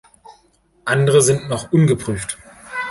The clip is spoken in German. Andere sind noch ungeprüft.